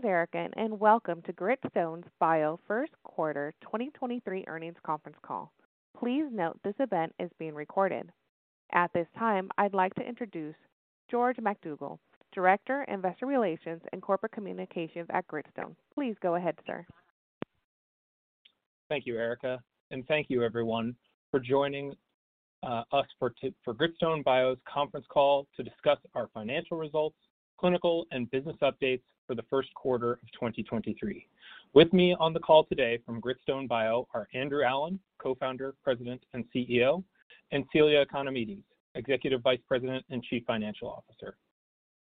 I'm Erica, and welcome to Gritstone bio's first quarter 2023 earnings conference call. Please note this event is being recorded. At this time, I'd like to introduce George MacDougall, Director, Investor Relations and Corporate Communications at Gritstone. Please go ahead, sir. Thank you, Erica. Thank you everyone for joining us for Gritstone bio's conference call to discuss our financial results, clinical and business updates for the first quarter of 2023. With me on the call today from Gritstone bio are Andrew Allen, Co-founder, President, and CEO, and Celia Economides, Executive Vice President and Chief Financial Officer.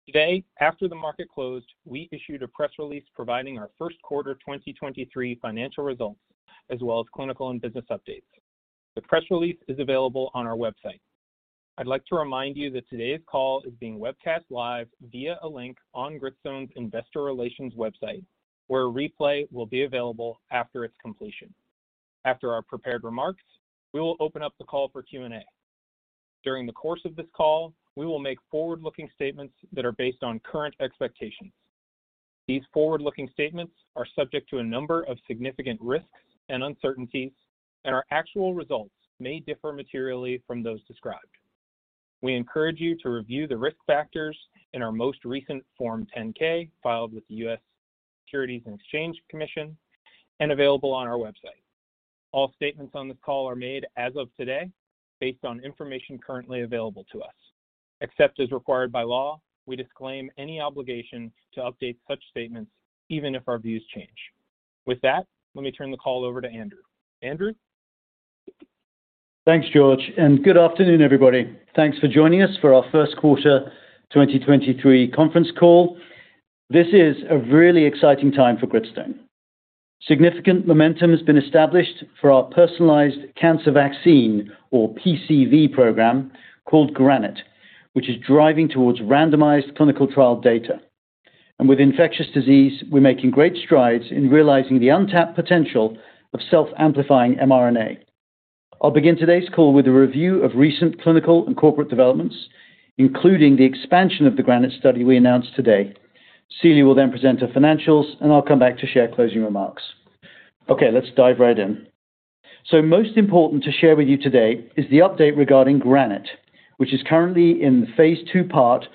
Today, after the market closed, we issued a press release providing our first quarter 2023 financial results, as well as clinical and business updates. The press release is available on our website. I'd like to remind you that today's call is being webcast live via a link on Gritstone's investor relations website, where a replay will be available after its completion. After our prepared remarks, we will open up the call for Q&A. During the course of this call, we will make forward-looking statements that are based on current expectations. These forward-looking statements are subject to a number of significant risks and uncertainties. Our actual results may differ materially from those described. We encourage you to review the risk factors in our most recent Form 10-K filed with the U.S. Securities and Exchange Commission and available on our website. All statements on this call are made as of today based on information currently available to us. Except as required by law, we disclaim any obligation to update such statements, even if our views change. With that, let me turn the call over to Andrew. Andrew? Thanks, George. Good afternoon, everybody. Thanks for joining us for our first quarter 2023 conference call. This is a really exciting time for Gritstone. Significant momentum has been established for our personalized cancer vaccine or PCV program called GRANITE, which is driving towards randomized clinical trial data. With infectious disease, we're making great strides in realizing the untapped potential of self-amplifying mRNA. I'll begin today's call with a review of recent clinical and corporate developments, including the expansion of the GRANITE study we announced today. Celia will then present her financials, and I'll come back to share closing remarks. Okay, let's dive right in. Most important to share with you today is the update regarding GRANITE, which is currently in the phase II part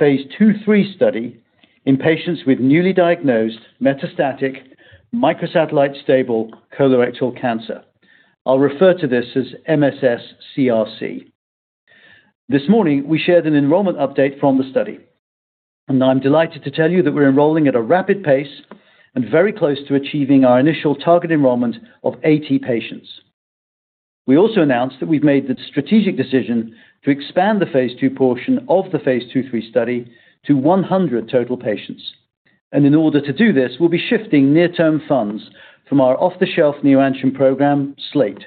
phase II/III study in patients with newly diagnosed metastatic microsatellite stable colorectal cancer. I'll refer to this as MSS-CRC. This morning, we shared an enrollment update from the study, and I'm delighted to tell you that we're enrolling at a rapid pace and very close to achieving our initial target enrollment of 80 patients. We also announced that we've made the strategic decision to expand phase II portion phase II/III study to 100 total patients. In order to do this, we'll be shifting near-term funds from our off-the-shelf neoantigen program, SLATE.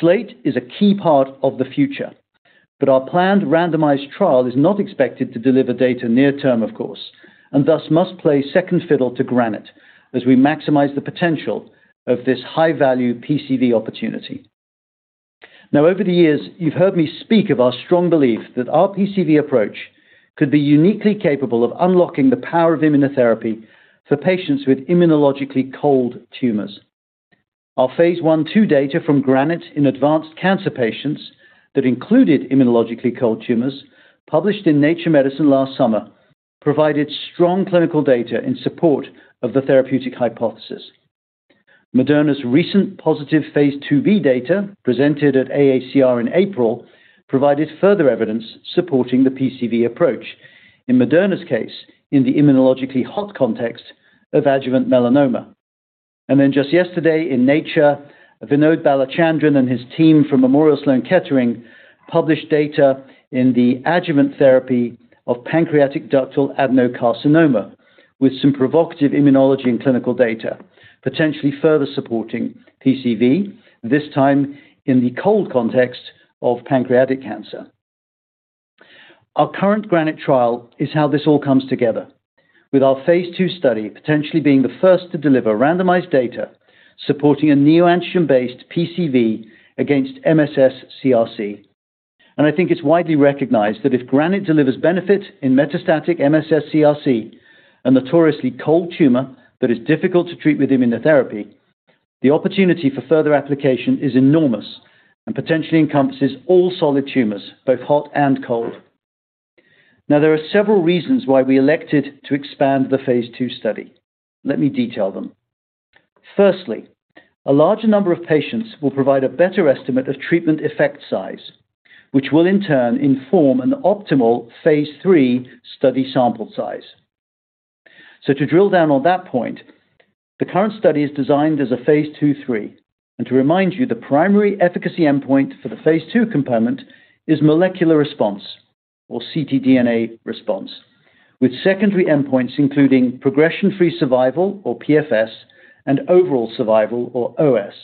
SLATE is a key part of the future, but our planned randomized trial is not expected to deliver data near-term, of course, and thus must play second fiddle to GRANITE as we maximize the potential of this high-value PCV opportunity. Now, over the years, you've heard me speak of our strong belief that our PCV approach could be uniquely capable of unlocking the power of immunotherapy for patients with immunologically cold tumors. Our phase I/II data from GRANITE in advanced cancer patients that included immunologically cold tumors, published in Nature Medicine last summer, provided strong clinical data in support of the therapeutic hypothesis. Moderna's recent phase IIb data presented at AACR in April provided further evidence supporting the PCV approach, in Moderna's case, in the immunologically hot context of adjuvant melanoma. Just yesterday in Nature, Vinod Balachandran and his team from Memorial Sloan Kettering published data in the adjuvant therapy of pancreatic ductal adenocarcinoma with some provocative immunology and clinical data, potentially further supporting PCV, this time in the cold context of pancreatic cancer. Our current GRANITE trial is how this all comes together, with phase II study potentially being the first to deliver randomized data supporting a neoantigen-based PCV against MSS-CRC. I think it's widely recognized that if GRANITE delivers benefit in metastatic MSS-CRC, a notoriously cold tumor that is difficult to treat with immunotherapy, the opportunity for further application is enormous and potentially encompasses all solid tumors, both hot and cold. There are several reasons why we elected to expand the phase II study. Let me detail them. Firstly, a larger number of patients will provide a better estimate of treatment effect size, which will in turn inform an optimal phase III study sample size. To drill down on that point, the current study is designed as a phase II/III. To remind you, the primary efficacy endpoint for the phase II component is molecular response or ctDNA response, with secondary endpoints including progression-free survival or PFS and overall survival or OS.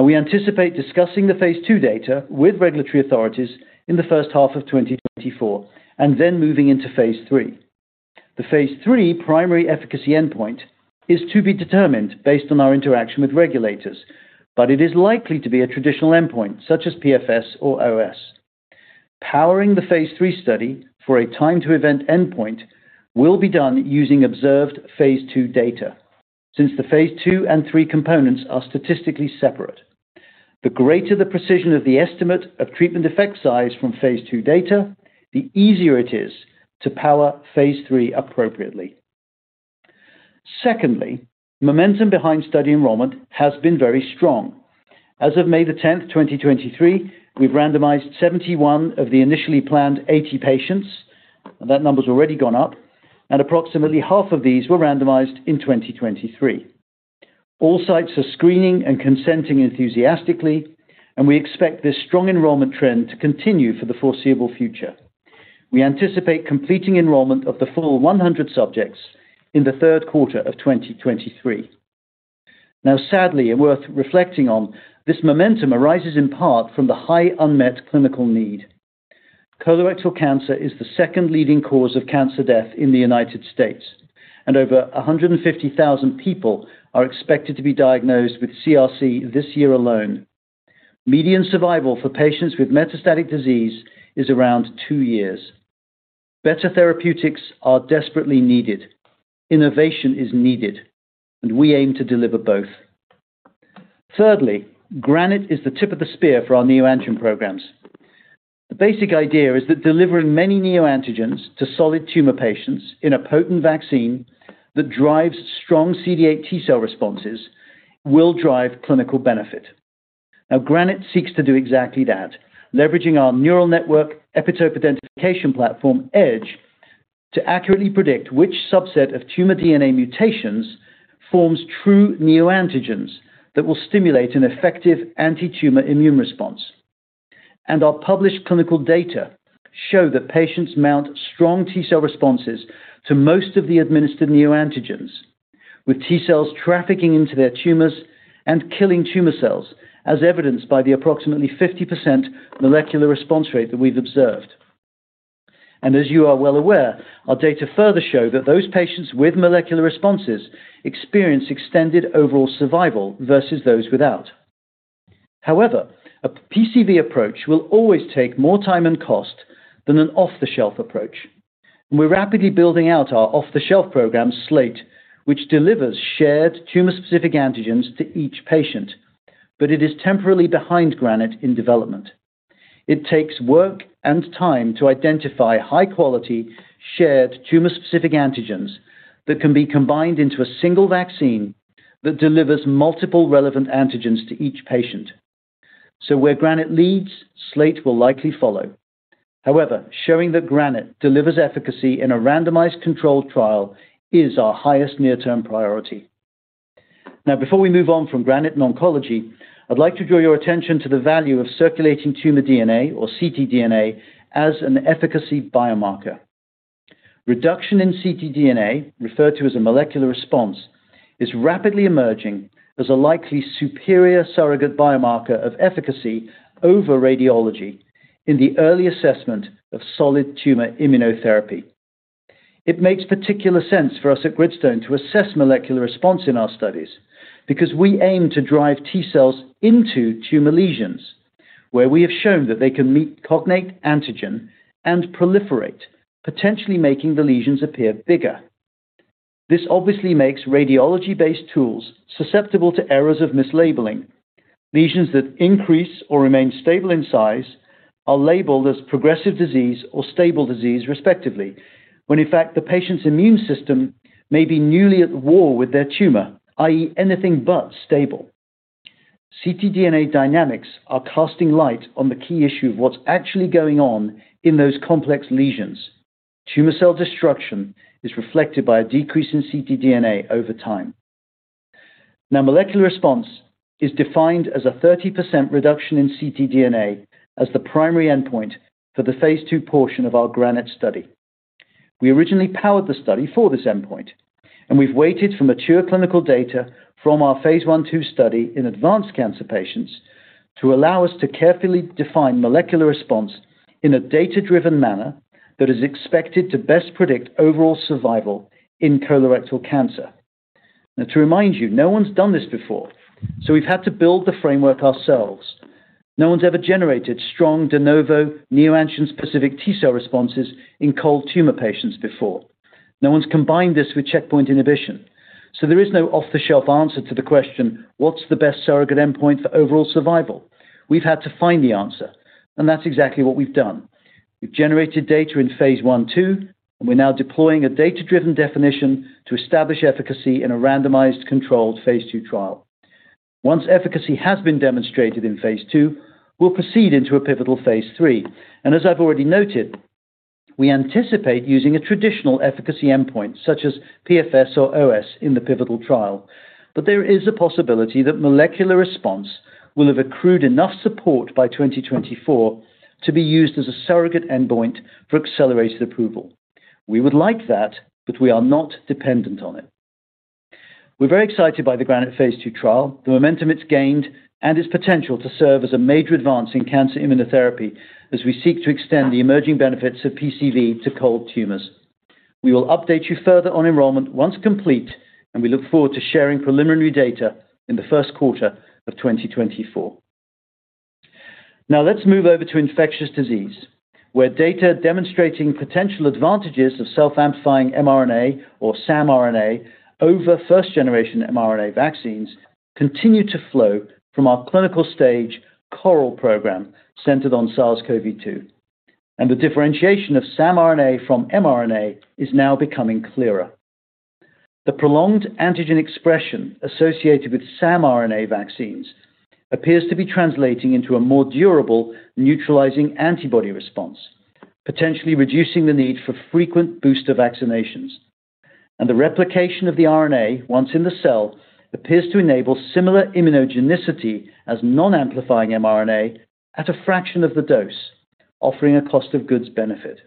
We anticipate discussing phase II data with regulatory authorities in the first half of 2024 and then moving into phase III. The phase III primary efficacy endpoint is to be determined based on our interaction with regulators, but it is likely to be a traditional endpoint such as PFS or OS. Powering the phase III study for a time-to-event endpoint will be done using phase II data, since phase II and III components are statistically separate. The greater the precision of the estimate of treatment effect size phase II data, the easier it is to power phase III appropriately. Secondly, momentum behind study enrollment has been very strong. As of May 10th, 2023, we've randomized 71 of the initially planned 80 patients, and that number's already gone up, and approximately half of these were randomized in 2023. All sites are screening and consenting enthusiastically. We expect this strong enrollment trend to continue for the foreseeable future. We anticipate completing enrollment of the full 100 subjects in the third quarter of 2023. Sadly, and worth reflecting on, this momentum arises in part from the high unmet clinical need. Colorectal cancer is the second leading cause of cancer death in the United States. Over 150,000 people are expected to be diagnosed with CRC this year alone. Median survival for patients with metastatic disease is around two years. Better therapeutics are desperately needed. Innovation is needed. We aim to deliver both. Thirdly, GRANITE is the tip of the spear for our neoantigen programs. The basic idea is that delivering many neoantigens to solid tumor patients in a potent vaccine that drives strong CD8 T cell responses will drive clinical benefit. GRANITE seeks to do exactly that, leveraging our neural network epitope identification platform, EDGE, to accurately predict which subset of tumor DNA mutations forms true neoantigens that will stimulate an effective antitumor immune response. Our published clinical data show that patients mount strong T cell responses to most of the administered neoantigens, with T cells trafficking into their tumors and killing tumor cells, as evidenced by the approximately 50% molecular response rate that we've observed. As you are well aware, our data further show that those patients with molecular responses experience extended overall survival versus those without. However, a PCV approach will always take more time and cost than an off-the-shelf approach. We're rapidly building out our off-the-shelf program, SLATE, which delivers shared tumor-specific antigens to each patient, but it is temporarily behind GRANITE in development. It takes work and time to identify high-quality, shared tumor-specific antigens that can be combined into a single vaccine that delivers multiple relevant antigens to each patient. Where GRANITE leads, SLATE will likely follow. However, showing that GRANITE delivers efficacy in a randomized controlled trial is our highest near-term priority. Before we move on from GRANITE and oncology, I'd like to draw your attention to the value of circulating tumor DNA or ctDNA as an efficacy biomarker. Reduction in ctDNA, referred to as a molecular response, is rapidly emerging as a likely superior surrogate biomarker of efficacy over radiology in the early assessment of solid tumor immunotherapy. It makes particular sense for us at Gritstone to assess molecular response in our studies because we aim to drive T cells into tumor lesions, where we have shown that they can meet cognate antigen and proliferate, potentially making the lesions appear bigger. This obviously makes radiology-based tools susceptible to errors of mislabeling. Lesions that increase or remain stable in size are labeled as progressive disease or stable disease respectively, when in fact the patient's immune system may be newly at war with their tumor, i.e. anything but stable. ctDNA dynamics are casting light on the key issue of what's actually going on in those complex lesions. Tumor cell destruction is reflected by a decrease in ctDNA over time. Now, molecular response is defined as a 30% reduction in ctDNA as the primary endpoint for phase II portion of our GRANITE study. We originally powered the study for this endpoint, we've waited for mature clinical data from our phase I/II study in advanced cancer patients to allow us to carefully define molecular response in a data-driven manner that is expected to best predict overall survival in colorectal cancer. To remind you, no one's done this before, we've had to build the framework ourselves. No one's ever generated strong de novo neoantigen-specific T cell responses in cold tumor patients before. No one's combined this with checkpoint inhibition. There is no off-the-shelf answer to the question, what's the best surrogate endpoint for overall survival? We've had to find the answer, that's exactly what we've done. We've generated data in phase I/II, we're now deploying a data-driven definition to establish efficacy in a randomized phase II trial. Once efficacy has been demonstrated phase II, we'll proceed into a pivotal phase III. As I've already noted, we anticipate using a traditional efficacy endpoint, such as PFS or OS, in the pivotal trial. There is a possibility that molecular response will have accrued enough support by 2024 to be used as a surrogate endpoint for accelerated approval. We would like that, but we are not dependent on it. We're very excited by the phase II trial, the momentum it's gained, and its potential to serve as a major advance in cancer immunotherapy as we seek to extend the emerging benefits of PCV to cold tumors. We will update you further on enrollment once complete, and we look forward to sharing preliminary data in the first quarter of 2024. Now let's move over to infectious disease, where data demonstrating potential advantages of self-amplifying mRNA or samRNA over first-generation mRNA vaccines continue to flow from our clinical stage CORAL program centered on SARS-CoV-2. The differentiation of samRNA from mRNA is now becoming clearer. The prolonged antigen expression associated with samRNA vaccines appears to be translating into a more durable neutralizing antibody response, potentially reducing the need for frequent booster vaccinations. The replication of the RNA, once in the cell, appears to enable similar immunogenicity as non-amplifying mRNA at a fraction of the dose, offering a cost of goods benefit.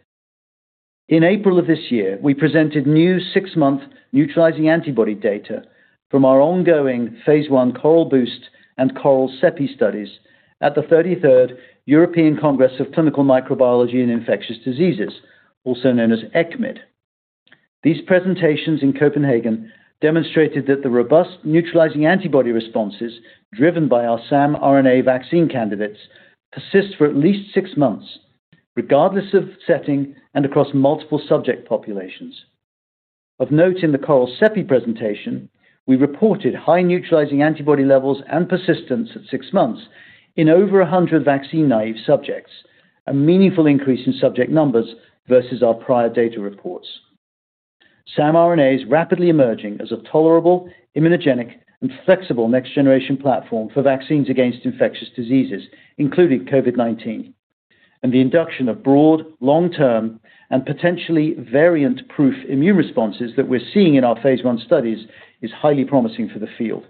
In April of this year, we presented new six month neutralizing antibody data from our ongoing phase I CORAL-BOOST and CORAL-CEPI studies at the 33rd European Congress of Clinical Microbiology and Infectious Diseases, also known as ECCMID. These presentations in Copenhagen demonstrated that the robust neutralizing antibody responses driven by our samRNA vaccine candidates persist for at least six months, regardless of setting and across multiple subject populations. Of note, in the CORAL-CEPI presentation, we reported high neutralizing antibody levels and persistence at six months in over 100 vaccine naive subjects, a meaningful increase in subject numbers versus our prior data reports. samRNA is rapidly emerging as a tolerable, immunogenic, and flexible next generation platform for vaccines against infectious diseases, including COVID-19. The induction of broad, long-term and potentially variant proof immune responses that we're seeing in our phase I studies is highly promising for the field.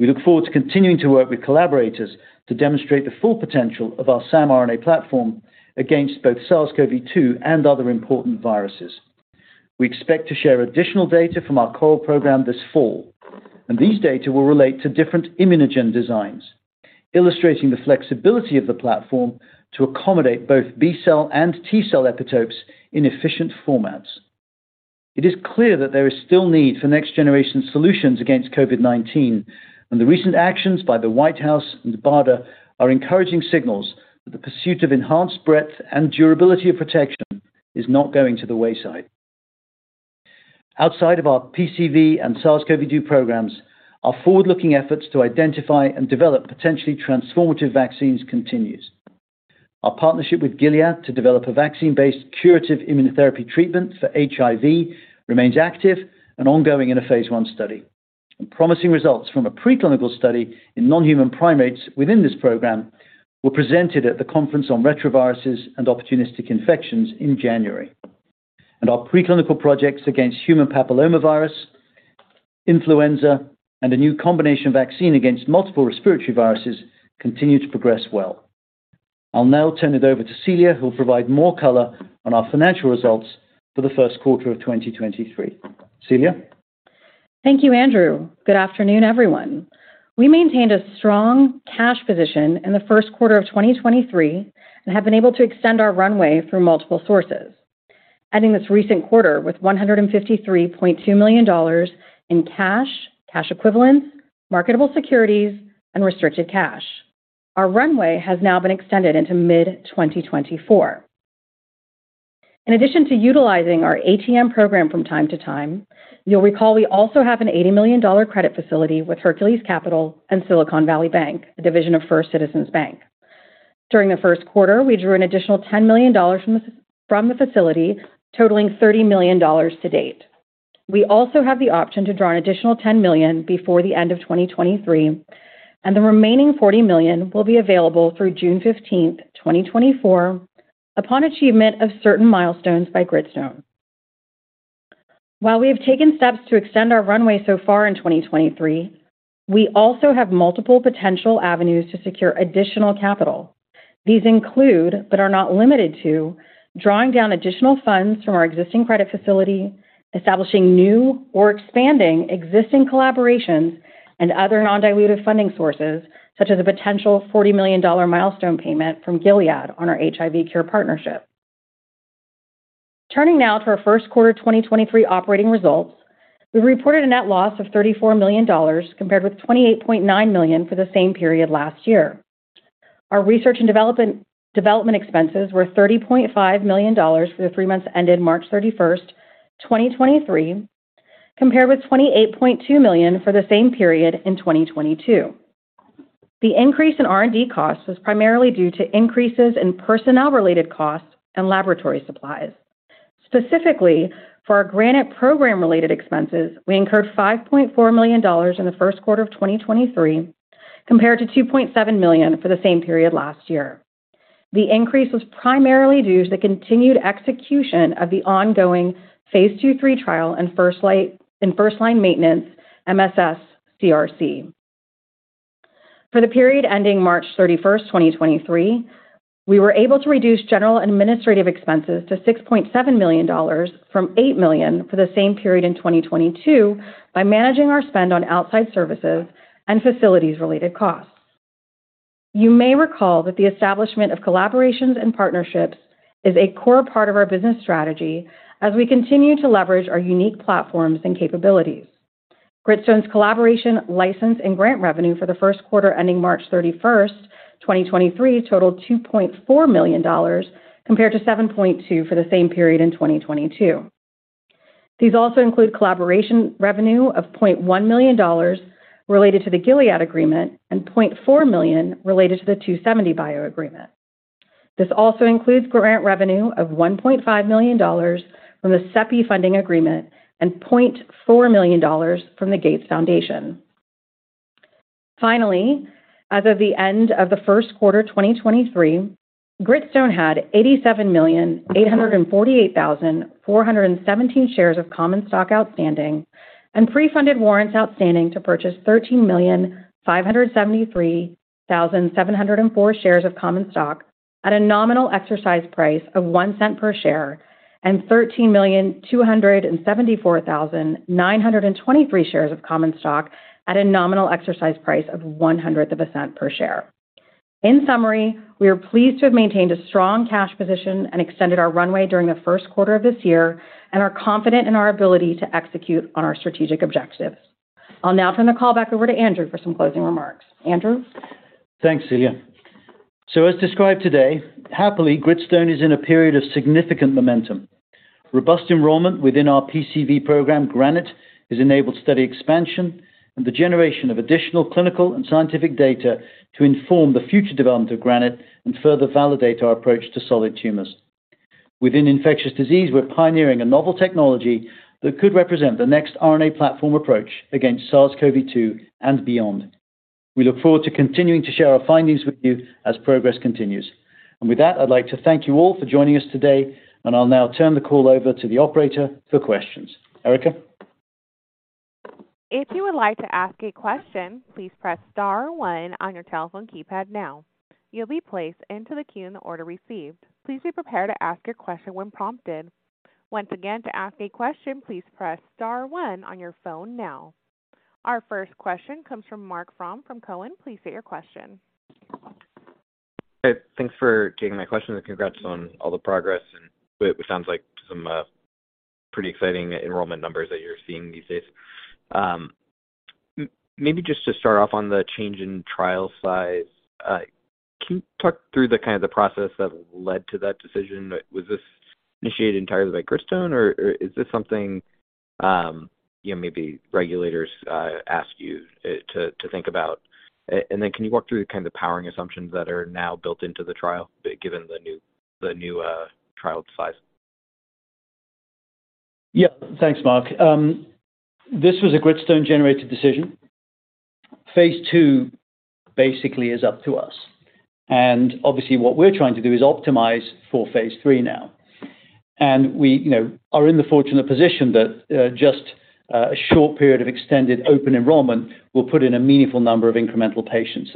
We look forward to continuing to work with collaborators to demonstrate the full potential of our samRNA platform against both SARS-CoV-2 and other important viruses. We expect to share additional data from our CORAL program this fall. These data will relate to different immunogen designs, illustrating the flexibility of the platform to accommodate both B-cell and T-cell epitopes in efficient formats. It is clear that there is still need for next generation solutions against COVID-19. The recent actions by the White House and BARDA are encouraging signals that the pursuit of enhanced breadth and durability of protection is not going to the wayside. Outside of our PCV and SARS-CoV-2 programs, our forward-looking efforts to identify and develop potentially transformative vaccines continues. Our partnership with Gilead to develop a vaccine-based curative immunotherapy treatment for HIV remains active and ongoing in a phase I study. Promising results from a preclinical study in non-human primates within this program were presented at the Conference on Retroviruses and Opportunistic Infections in January. Our preclinical projects against human papillomavirus, influenza, and a new combination vaccine against multiple respiratory viruses continue to progress well. I'll now turn it over to Celia, who will provide more color on our financial results for the first quarter of 2023. Celia. Thank you, Andrew. Good afternoon, everyone. We maintained a strong cash position in the first quarter of 2023 and have been able to extend our runway through multiple sources. Ending this recent quarter with $153.2 million in cash equivalents, marketable securities, and restricted cash. Our runway has now been extended into mid-2024. In addition to utilizing our ATM program from time to time, you'll recall we also have an $80 million credit facility with Hercules Capital and Silicon Valley Bank, a division of First Citizens Bank. During the first quarter, we drew an additional $10 million from the facility, totaling $30 million to date. We also have the option to draw an additional $10 million before the end of 2023. The remaining $40 million will be available through June 15th, 2024, upon achievement of certain milestones by Gritstone. While we have taken steps to extend our runway so far in 2023, we also have multiple potential avenues to secure additional capital. These include, but are not limited to, drawing down additional funds from our existing credit facility, establishing new or expanding existing collaborations and other non-dilutive funding sources, such as a potential $40 million milestone payment from Gilead on our HIV cure partnership. Turning now to our first quarter 2023 operating results, we reported a net loss of $34 million compared with $28.9 million for the same period last year. Our research and development expenses were $30.5 million for the three months ended March 31st, 2023, compared with $28.2 million for the same period in 2022. The increase in R&D costs was primarily due to increases in personnel-related costs and laboratory supplies. Specifically, for our GRANITE program-related expenses, we incurred $5.4 million in the first quarter of 2023, compared to $2.7 million for the same period last year. The increase was primarily due to the continued execution of phase II/III trial in first-line maintenance MSS-CRC. For the period ending March 31, 2023, we were able to reduce general and administrative expenses to $6.7 million from $8 million for the same period in 2022 by managing our spend on outside services and facilities-related costs. You may recall that the establishment of collaborations and partnerships is a core part of our business strategy as we continue to leverage our unique platforms and capabilities. Gritstone's collaboration, license, and grant revenue for the first quarter ending March 31, 2023 totaled $2.4 million compared to $7.2 million for the same period in 2022. These also include collaboration revenue of $0.1 million related to the Gilead agreement and $0.4 million related to the 2seventy bio agreement. This also includes grant revenue of $1.5 million from the CEPI funding agreement and $0.4 million from the Gates Foundation. Finally, as of the end of the first quarter 2023, Gritstone had 87,848,417 shares of common stock outstanding and pre-funded warrants outstanding to purchase 13,573,704 shares of common stock at a nominal exercise price of $0.01 per share and 13,274,923 shares of common stock at a nominal exercise price of $0.0001 per share. In summary, we are pleased to have maintained a strong cash position and extended our runway during the first quarter of this year and are confident in our ability to execute on our strategic objectives. I'll now turn the call back over to Andrew for some closing remarks. Andrew? Thanks, Celia. As described today, happily, Gritstone is in a period of significant momentum. Robust enrollment within our PCV program, GRANITE, has enabled study expansion and the generation of additional clinical and scientific data to inform the future development of GRANITE and further validate our approach to solid tumors. Within infectious disease, we're pioneering a novel technology that could represent the next RNA platform approach against SARS-CoV-2 and beyond. We look forward to continuing to share our findings with you as progress continues. With that, I'd like to thank you all for joining us today, and I'll now turn the call over to the operator for questions. Erica? If you would like to ask a question, please press star one on your telephone keypad now. You'll be placed into the queue in the order received. Please be prepared to ask your question when prompted. Once again, to ask a question, please press star one on your phone now. Our first question comes from Marc Frahm from Cowen. Please state your question. Thanks for taking my question, and congrats on all the progress. It sounds like some pretty exciting enrollment numbers that you're seeing these days. Maybe just to start off on the change in trial size, can you talk through the kind of the process that led to that decision? Was this initiated entirely by Gritstone, or is this something, you know, maybe regulators ask you to think about? Then can you walk through the kind of powering assumptions that are now built into the trial, given the new trial size? Yeah. Thanks, Marc. This was a Gritstone-generated decision. phase II basically is up to us. Obviously, what we're trying to do is optimize for phase III now. We, you know, are in the fortunate position that just a short period of extended open enrollment will put in a meaningful number of incremental patients.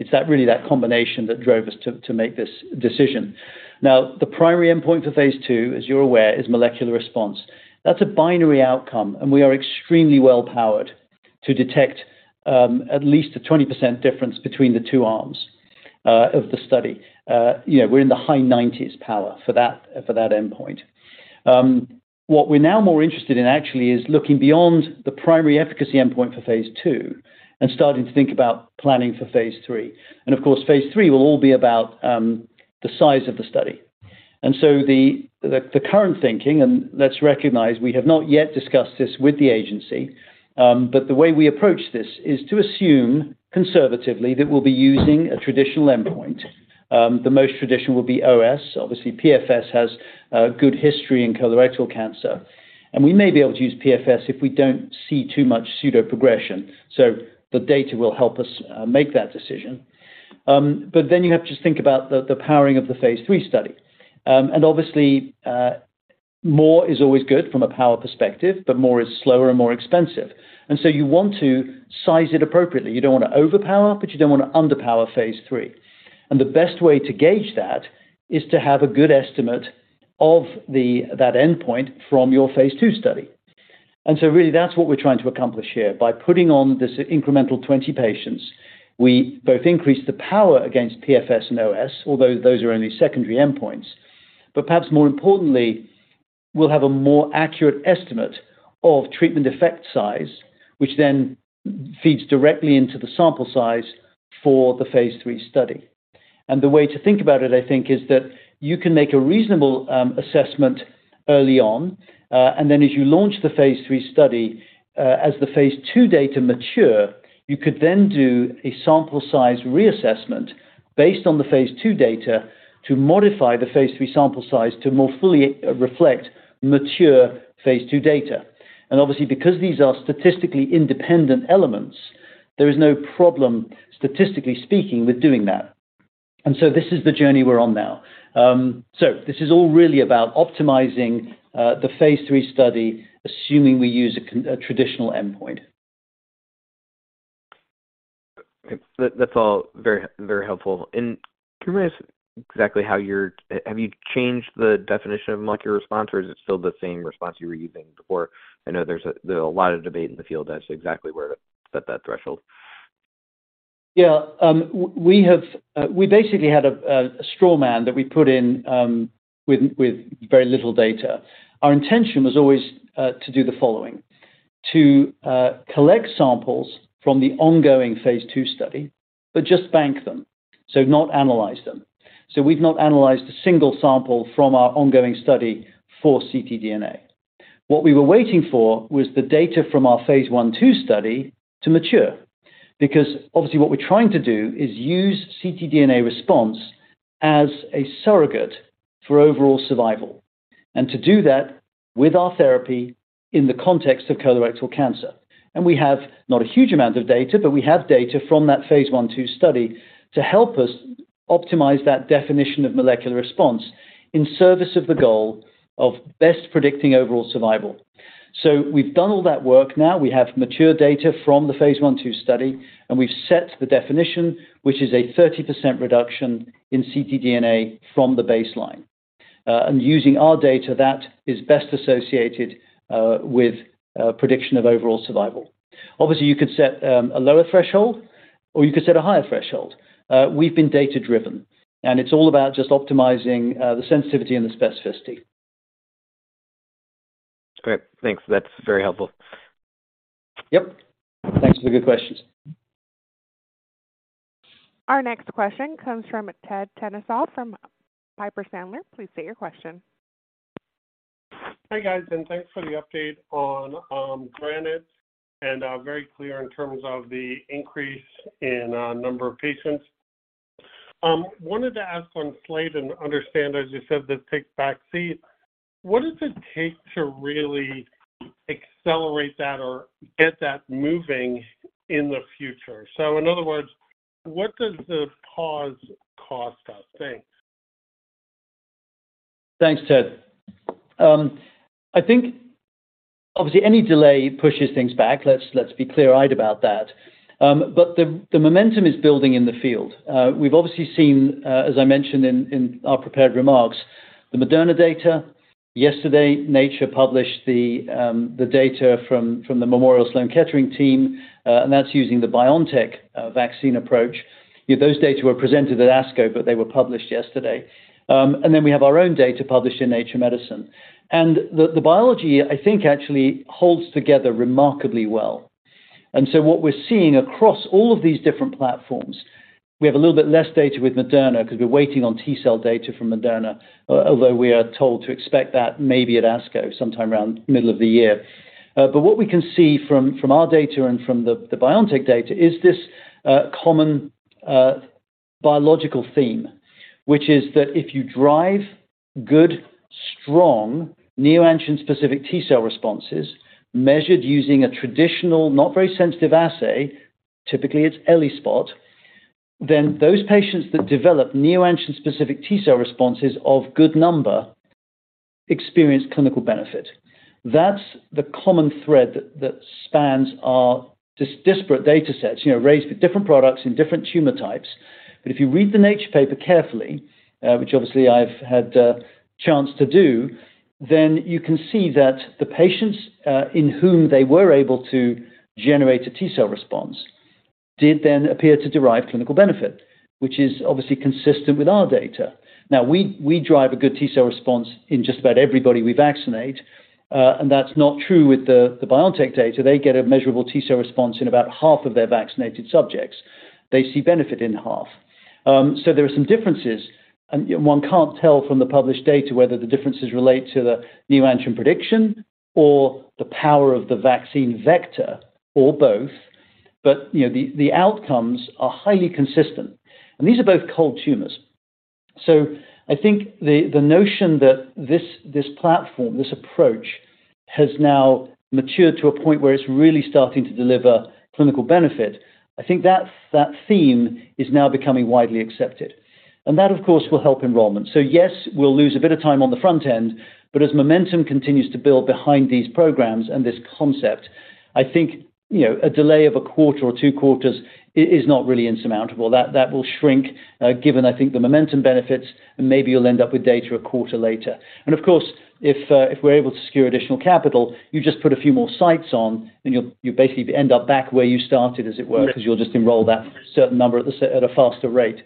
It's that really that combination that drove us to make this decision. Now, the primary endpoint for phase II, as you're aware, is molecular response. That's a binary outcome, and we are extremely well-powered to detect at least a 20% difference between the two arms of the study. You know, we're in the high 90s power for that endpoint. What we're now more interested in actually is looking beyond the primary efficacy endpoint phase II and starting to think about planning for phase III. Of course, phase III will all be about the size of the study. The current thinking, and let's recognize we have not yet discussed this with the agency, the way we approach this is to assume conservatively that we'll be using a traditional endpoint. The most traditional will be OS. Obviously, PFS has a good history in colorectal cancer, we may be able to use PFS if we don't see too much pseudo-progression. The data will help us make that decision. You have to think about the powering of the phase III study. Obviously, more is always good from a power perspective, but more is slower and more expensive. You want to size it appropriately. You don't want to overpower, but you don't want to underpower phase III. The best way to gauge that is to have a good estimate of that endpoint from phase II study. Really, that's what we're trying to accomplish here. By putting on this incremental 20 patients, we both increase the power against PFS and OS, although those are only secondary endpoints. Perhaps more importantly, we'll have a more accurate estimate of treatment effect size, which then feeds directly into the sample size for the phase III study. The way to think about it, I think, is that you can make a reasonable assessment early on, and then as you launch the phase III study, as phase II data mature, you could then do a sample size reassessment based on phase II data to modify the phase III sample size to more fully reflect phase II data. Obviously, because these are statistically independent elements, there is no problem, statistically speaking, with doing that. This is the journey we're on now. This is all really about optimizing the phase III study, assuming we use a traditional endpoint. That's all very, very helpful. Can you remind us exactly how have you changed the definition of molecular response, or is it still the same response you were using before? I know there's a lot of debate in the field as to exactly where to set that threshold. Yeah. We have, we basically had a straw man that we put in, with very little data. Our intention was always to do the following: to collect samples from the phase II study, but just bank them, so not analyze them. We've not analyzed a single sample from our ongoing study for ctDNA. What we were waiting for was the data from our phase I/II study to mature. Obviously, what we're trying to do is use ctDNA response as a surrogate for overall survival, and to do that with our therapy in the context of colorectal cancer. We have, not a huge amount of data, but we have data from that phase I/II study to help us optimize that definition of molecular response in service of the goal of best predicting overall survival. We've done all that work now. We have mature data from the phase I/II study, we've set the definition, which is a 30% reduction in ctDNA from the baseline. Using our data, that is best associated with prediction of overall survival. Obviously, you could set a lower threshold or you could set a higher threshold. We've been data-driven, and it's all about just optimizing the sensitivity and the specificity. Great. Thanks. That's very helpful. Yep. Thanks for the good questions. Our next question comes from Ted Tenthoff from Piper Sandler. Please state your question. Hi, guys, and thanks for the update on GRANITE and very clear in terms of the increase in number of patients. Wanted to ask on SLATE and understand, as you said, this takes backseat, what does it take to really accelerate that or get that moving in the future? In other words, what does the pause cost us? Thanks. Thanks, Ted. I think obviously any delay pushes things back. Let's be clear-eyed about that. The momentum is building in the field. We've obviously seen, as I mentioned in our prepared remarks, the Moderna data. Yesterday, Nature published the data from the Memorial Sloan Kettering team, and that's using the BioNTech vaccine approach. Those data were presented at ASCO, but they were published yesterday. Then we have our own data published in Nature Medicine. The biology, I think actually holds together remarkably well. What we're seeing across all of these different platforms, we have a little bit less data with Moderna 'cause we're waiting on T cell data from Moderna, although we are told to expect that maybe at ASCO sometime around middle of the year. What we can see from our data and from the BioNTech data is this common biological theme, which is that if you drive good, strong neoantigen-specific T cell responses measured using a traditional, not very sensitive assay, typically it's ELISpot, then those patients that develop neoantigen-specific T cell responses of good number experience clinical benefit. That's the common thread that spans our disparate datasets, you know, raised with different products in different tumor types. If you read the Nature paper carefully, which obviously I've had the chance to do, then you can see that the patients in whom they were able to generate a T cell response did then appear to derive clinical benefit, which is obviously consistent with our data. We drive a good T cell response in just about everybody we vaccinate, that's not true with the BioNTech data. They get a measurable T cell response in about half of their vaccinated subjects. They see benefit in half. There are some differences, and one can't tell from the published data whether the differences relate to the neoantigen prediction or the power of the vaccine vector or both. You know, the outcomes are highly consistent, and these are both cold tumors. I think the notion that this platform, this approach has now matured to a point where it's really starting to deliver clinical benefit. I think that theme is now becoming widely accepted. That, of course, will help enrollment. Yes, we'll lose a bit of time on the front end, but as momentum continues to build behind these programs and this concept, I think, you know, a delay of a quarter or two quarters is not really insurmountable. That will shrink, given I think the momentum benefits, and maybe you'll end up with data a quarter later. Of course, if we're able to secure additional capital, you just put a few more sites on, and you'll basically end up back where you started, as it were. Yes 'cause you'll just enroll that certain number at a faster rate.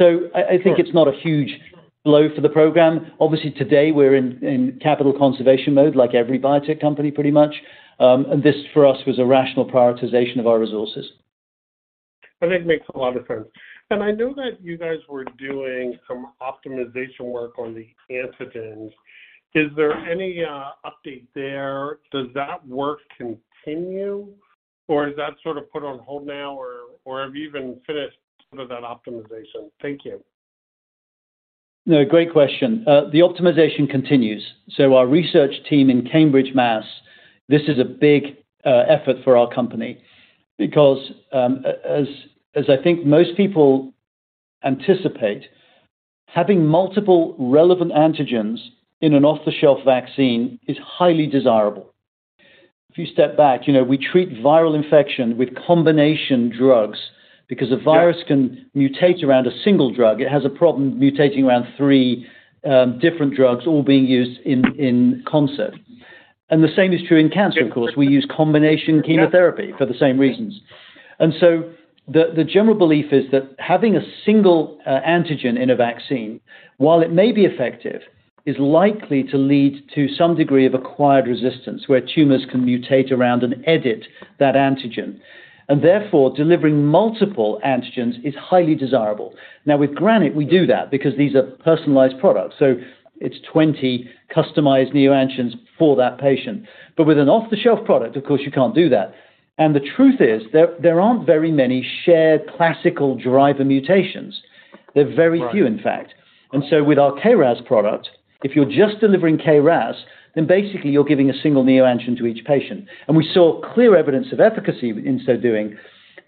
I think. Sure... it's not a huge blow for the program. Obviously, today, we're in capital conservation mode like every biotech company pretty much. This for us was a rational prioritization of our resources. I think it makes a lot of sense. I know that you guys were doing some optimization work on the antigens. Is there any update there? Does that work continue, or is that sort of put on hold now, or have you even finished sort of that optimization? Thank you. No, great question. The optimization continues. Our research team in Cambridge, Mass, this is a big effort for our company because, as I think most people anticipate, having multiple relevant antigens in an off-the-shelf vaccine is highly desirable. If you step back, you know, we treat viral infection with combination drugs because. Yeah A virus can mutate around a single drug. It has a problem mutating around three different drugs all being used in concept. The same is true in cancer, of course. We use combination chemotherapy for the same reasons. The general belief is that having a single antigen in a vaccine, while it may be effective, is likely to lead to some degree of acquired resistance where tumors can mutate around and edit that antigen. Therefore, delivering multiple antigens is highly desirable. With GRANITE, we do that because these are personalized products, so it's 20 customized neoantigens for that patient. With an off-the-shelf product, of course, you can't do that. The truth is there aren't very many shared classical driver mutations. There are very Right few, in fact. With our KRAS product, if you're just delivering KRAS, then basically you're giving a single neoantigen to each patient. We saw clear evidence of efficacy in so doing.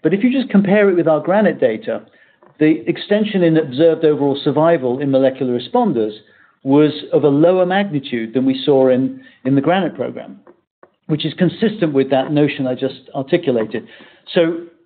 If you just compare it with our GRANITE data, the extension in observed overall survival in molecular responders was of a lower magnitude than we saw in the GRANITE program, which is consistent with that notion I just articulated.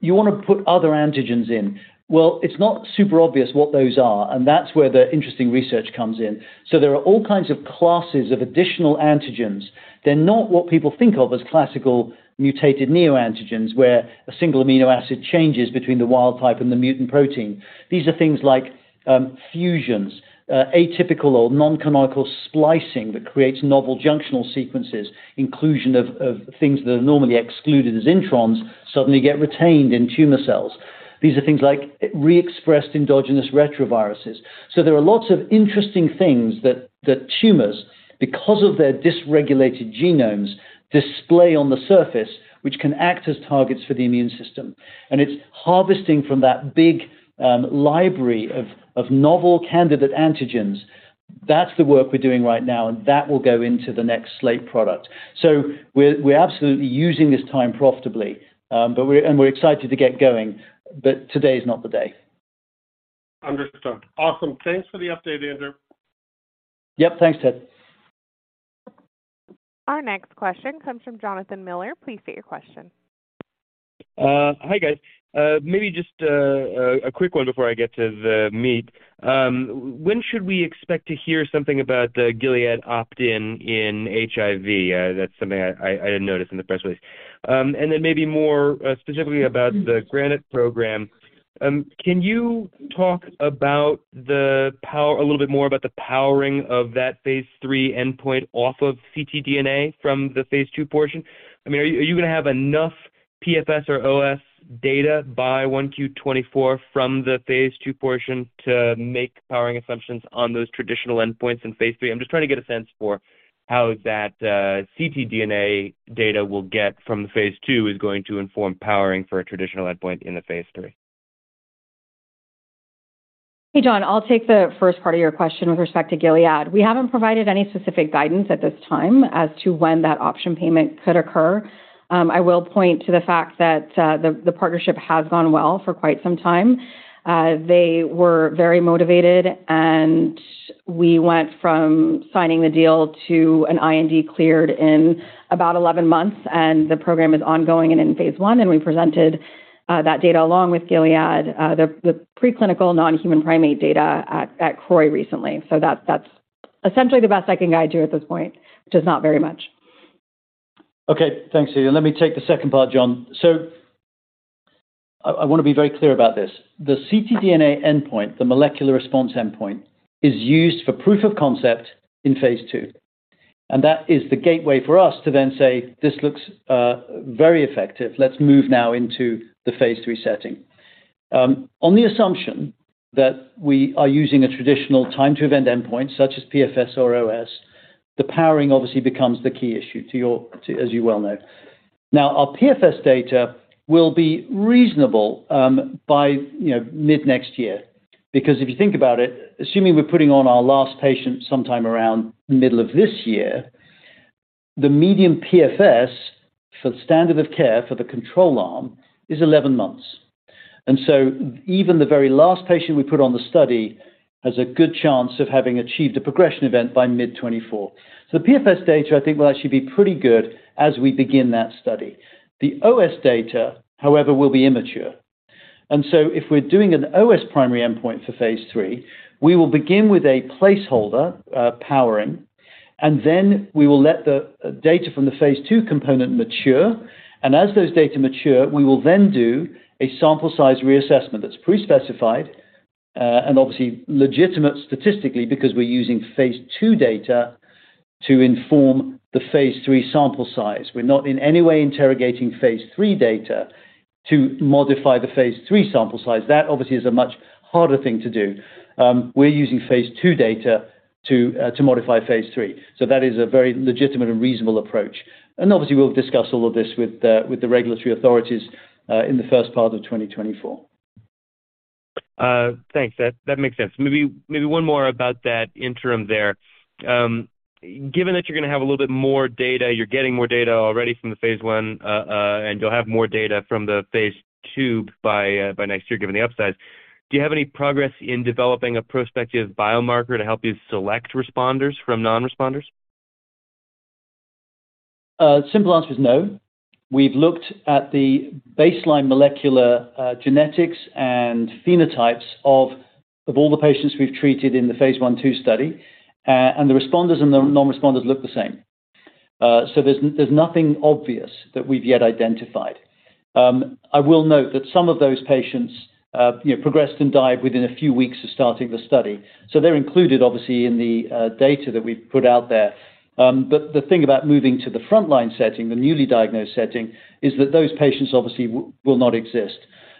You wanna put other antigens in. Well, it's not super obvious what those are, and that's where the interesting research comes in. There are all kinds of classes of additional antigens. They're not what people think of as classical mutated neoantigens, where a single amino acid changes between the wild type and the mutant protein. These are things like fusions, atypical or non-canonical splicing that creates novel junctional sequences, inclusion of things that are normally excluded as introns suddenly get retained in tumor cells. These are things like re-expressed endogenous retroviruses. There are lots of interesting things that tumors, because of their dysregulated genomes, display on the surface, which can act as targets for the immune system. It's harvesting from that big library of novel candidate antigens. That's the work we're doing right now, and that will go into the next SLATE product. We're absolutely using this time profitably, but we're excited to get going, but today is not the day. Understood. Awesome. Thanks for the update, Andrew. Yep. Thanks, Ted. Our next question comes from Jonathan Miller. Please state your question. Hi, guys. Maybe just a quick one before I get to the meat. When should we expect to hear something about the Gilead opt-in in HIV? That's something I didn't notice in the press release. Maybe more specifically about the GRANITE program. Can you talk a little bit more about the powering of that phase III endpoint off of ctDNA from phase II portion? I mean, are you gonna have enough PFS or OS data by 1Q 2024 from phase II portion to make powering assumptions on those traditional endpoints in phase III? I'm just trying to get a sense for how that ctDNA data will get from phase II is going to inform powering for a traditional endpoint in the phase III. Hey, John. I'll take the first part of your question with respect to Gilead. We haven't provided any specific guidance at this time as to when that option payment could occur. I will point to the fact that the partnership has gone well for quite some time. They were very motivated, and we went from signing the deal to an IND cleared in about 11 months, and the program is ongoing and in phase I. We presented that data along with Gilead, the preclinical non-human primate data at CROI recently. That's essentially the best I can guide you at this point, which is not very much. Okay. Thanks, Celia. Let me take the second part, John. I wanna be very clear about this. The ctDNA endpoint, the molecular response endpoint, is used for proof of concept phase II, and that is the gateway for us to then say, "This looks very effective. Let's move now into the phase III setting." On the assumption that we are using a traditional time to event endpoint such as PFS or OS, the powering obviously becomes the key issue as you well know. Our PFS data will be reasonable, by, you know, mid-next year. If you think about it, assuming we're putting on our last patient sometime around middle of this year, the median PFS for the standard of care for the control arm is 11 months. Even the very last patient we put on the study has a good chance of having achieved a progression event by mid-2024. The PFS data, I think, will actually be pretty good as we begin that study. The OS data, however, will be immature. If we're doing an OS primary endpoint for phase III, we will begin with a placeholder powering, and then we will let the data from phase II component mature. As those data mature, we will then do a sample size reassessment that's pre-specified and obviously legitimate statistically because we're phase II data to inform the phase III sample size. We're not in any way interrogating phase III data to modify the phase III sample size. That obviously is a much harder thing to do. We're phase II data to modify phase III. That is a very legitimate and reasonable approach. Obviously, we'll discuss all of this with the regulatory authorities in the first part of 2024. Thanks. That makes sense. Maybe one more about that interim there. Given that you're gonna have a little bit more data, you're getting more data already from the phase I, and you'll have more data from phase II by next year, given the upside. Do you have any progress in developing a prospective biomarker to help you select responders from non-responders? Simple answer is no. We've looked at the baseline molecular genetics and phenotypes of all the patients we've treated in the phase I/II study, and the responders and the non-responders look the same. There's nothing obvious that we've yet identified. I will note that some of those patients, you know, progressed and died within a few weeks of starting the study. They're included obviously in the data that we've put out there. The thing about moving to the first-line setting, the newly diagnosed setting, is that those patients obviously will not exist.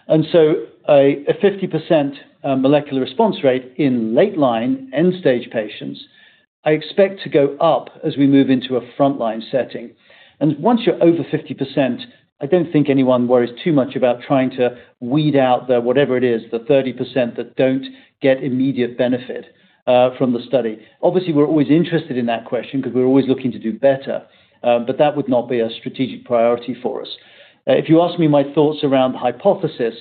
A 50% molecular response rate in late-line end-stage patients, I expect to go up as we move into a first-line setting. Once you're over 50%, I don't think anyone worries too much about trying to weed out the, whatever it is, the 30% that don't get immediate benefit from the study. Obviously, we're always interested in that question 'cause we're always looking to do better, but that would not be a strategic priority for us. If you ask me my thoughts around hypothesis,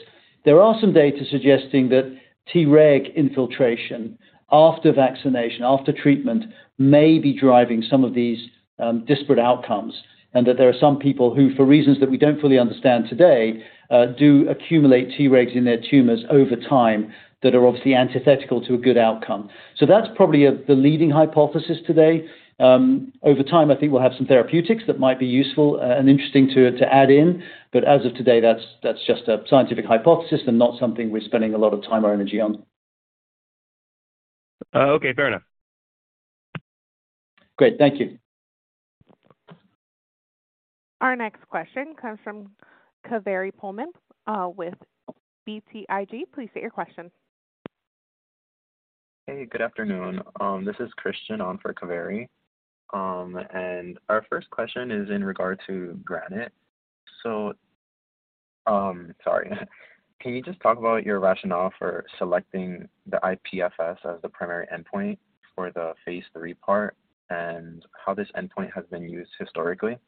there are some data suggesting that Treg infiltration after vaccination, after treatment may be driving some of these disparate outcomes, and that there are some people who, for reasons that we don't fully understand today, do accumulate T-regs in their tumors over time that are obviously antithetical to a good outcome. That's probably the leading hypothesis today. Over time, I think we'll have some therapeutics that might be useful, and interesting to add in. As of today, that's just a scientific hypothesis and not something we're spending a lot of time or energy on. okay. Fair enough. Great. Thank you. Our next question comes from Kaveri Pohlman with BTIG. Please state your question. Hey, good afternoon. This is Christian on for Kaveri. Our first question is in regard to GRANITE. Sorry. Can you just talk about your rationale for selecting the iPFS as the primary endpoint for the phase III part and how this endpoint has been used historically?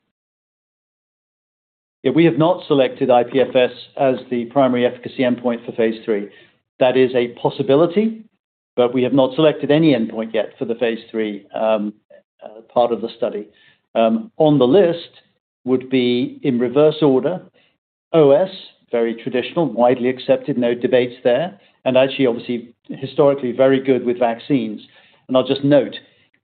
We have not selected iPFS as the primary efficacy endpoint for phase III. That is a possibility, but we have not selected any endpoint yet for the phase III part of the study. On the list would be in reverse order, OS, very traditional, widely accepted, no debates there, and actually obviously historically very good with vaccines. I'll just note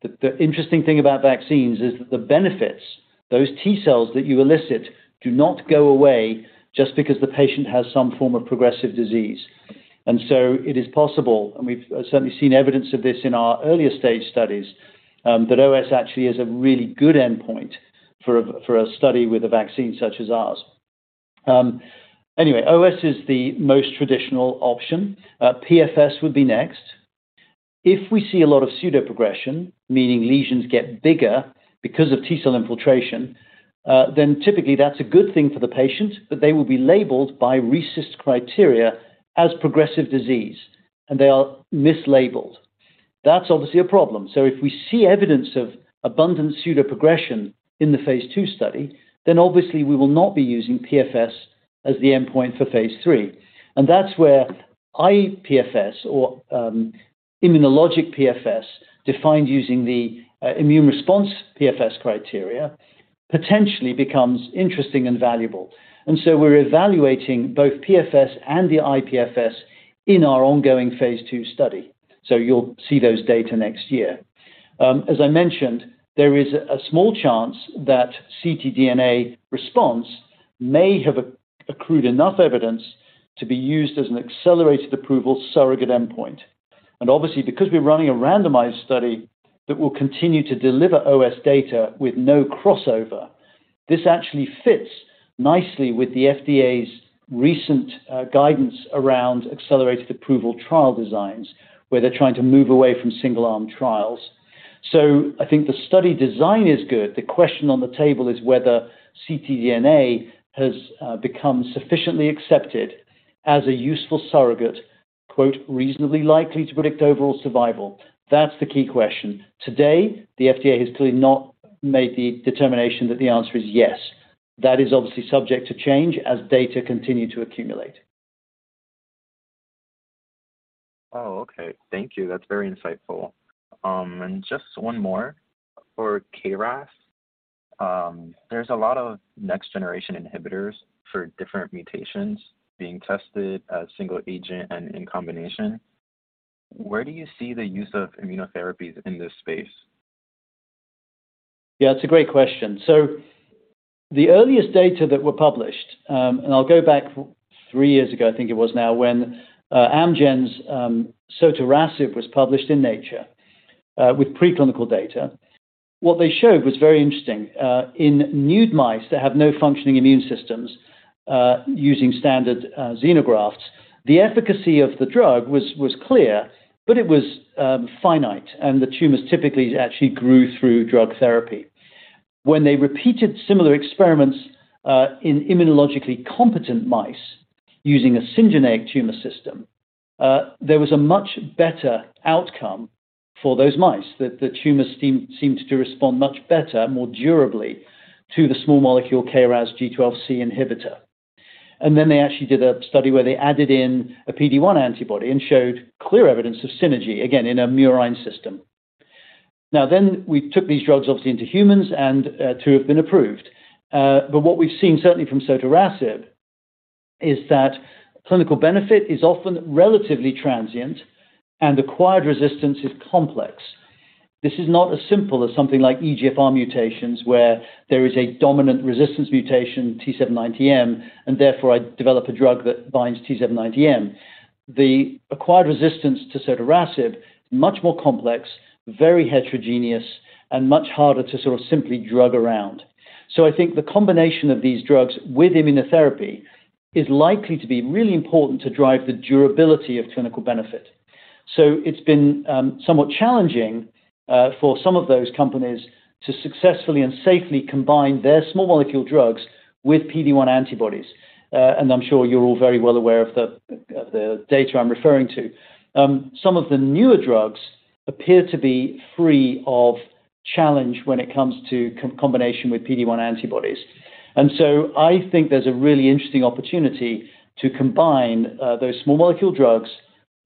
that the interesting thing about vaccines is that the benefits, those T cells that you elicit do not go away just because the patient has some form of progressive disease. So it is possible, and we've certainly seen evidence of this in our earlier stage studies, that OS actually is a really good endpoint for a study with a vaccine such as ours. Anyway, OS is the most traditional option. PFS would be next. If we see a lot of pseudoprogression, meaning lesions get bigger because of T-cell infiltration, then typically that's a good thing for the patient, but they will be labeled by RECIST criteria as progressive disease, and they are mislabeled. That's obviously a problem. If we see evidence of abundant pseudoprogression in the phase II study, then obviously we will not be using PFS as the endpoint for phase III. That's where iPFS or immunologic PFS defined using the immune response PFS criteria potentially becomes interesting and valuable. We're evaluating both PFS and the iPFS in our ongoing phase II study. You'll see those data next year. As I mentioned, there is a small chance that ctDNA response may have accrued enough evidence to be used as an accelerated approval surrogate endpoint. Obviously because we're running a randomized study that will continue to deliver OS data with no crossover, this actually fits nicely with the FDA's recent guidance around accelerated approval trial designs, where they're trying to move away from single-arm trials. I think the study design is good. The question on the table is whether ctDNA has become sufficiently accepted as a useful surrogate, quote, "reasonably likely to predict overall survival." That's the key question. Today, the FDA has clearly not made the determination that the answer is yes. That is obviously subject to change as data continue to accumulate. Oh, okay. Thank you. That's very insightful. Just one more. For KRAS, there's a lot of next-generation inhibitors for different mutations being tested as single agent and in combination. Where do you see the use of immunotherapies in this space? Yeah, it's a great question. The earliest data that were published, I'll go back three years ago, I think it was now, when Amgen's sotorasib was published in Nature with preclinical data, what they showed was very interesting. In nude mice that have no functioning immune systems, using standard xenografts, the efficacy of the drug was clear, but it was finite, the tumors typically actually grew through drug therapy. When they repeated similar experiments in immunologically competent mice using a syngeneic tumor system, there was a much better outcome. For those mice, the tumors seemed to respond much better, more durably to the small molecule KRAS G12C inhibitor. They actually did a study where they added in a PD-1 antibody and showed clear evidence of synergy, again, in a murine system. We took these drugs obviously into humans and two have been approved. What we've seen certainly from sotorasib is that clinical benefit is often relatively transient and acquired resistance is complex. This is not as simple as something like EGFR mutations where there is a dominant resistance mutation T790M, and therefore I develop a drug that binds T790M. The acquired resistance to sotorasib, much more complex, very heterogeneous, and much harder to sort of simply drug around. I think the combination of these drugs with immunotherapy is likely to be really important to drive the durability of clinical benefit. It's been somewhat challenging for some of those companies to successfully and safely combine their small molecule drugs with PD-1 antibodies. I'm sure you're all very well aware of the data I'm referring to. Some of the newer drugs appear to be free of challenge when it comes to combination with PD-1 antibodies. I think there's a really interesting opportunity to combine those small molecule drugs